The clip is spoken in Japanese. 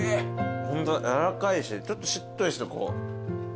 ホントだやわらかいしちょっとしっとりしてお肉が。